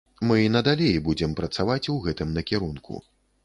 Мы і надалей будзем працаваць у гэтым накірунку.